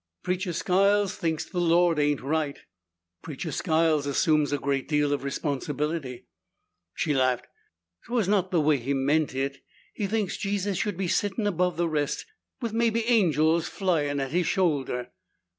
"Preacher Skiles thinks the Lord ain't right." "Preacher Skiles assumes a great deal of responsibility." She laughed. "'Twas not the way he meant it. He thinks Jesus should be sittin' above the rest, with maybe angels flyin' at His shoulder."